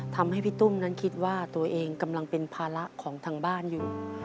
ทำให้พี่ตุ้มนั้นคิดว่าตัวเองกำลังเป็นภาระของทางบ้านอยู่